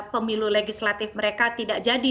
pemilu legislatif mereka tidak jadi